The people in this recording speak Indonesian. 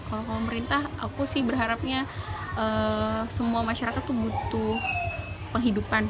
kalau pemerintah aku sih berharapnya semua masyarakat itu butuh penghidupan